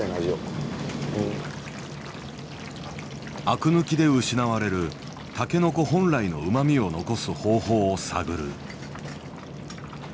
アク抜きで失われるタケノコ本来のうまみを残す方法を探る。